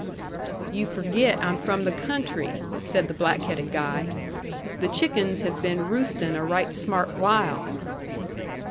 "Yu' forget I'm from the country," said the black headed guy. "The chickens have been roostin' a right smart while."